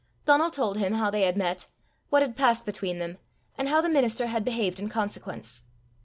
Donal told him how they had met, what had passed between them, and how the minister had behaved in consequence.